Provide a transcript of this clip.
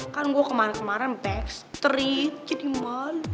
kan gue kemarin kemarin backstreet jadi malu